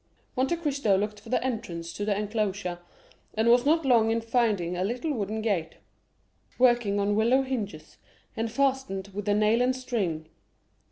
Monte Cristo looked for the entrance to the enclosure, and was not long in finding a little wooden gate, working on willow hinges, and fastened with a nail and string.